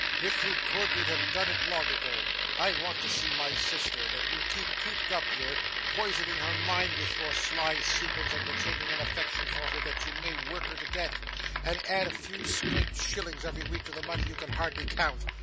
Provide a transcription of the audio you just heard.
'If you could, you'd have done it long ago. I want to see my sister, that you keep cooped up here, poisoning her mind with your sly secrets and pretending an affection for her that you may work her to death, and add a few scraped shillings every week to the money you can hardly count.